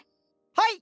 はい！